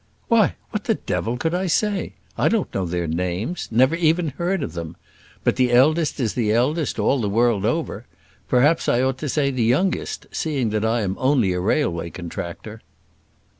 "Why, what the devil could I say? I don't know their names; never even heard them. But the eldest is the eldest, all the world over. Perhaps I ought to say the youngest, seeing that I am only a railway contractor."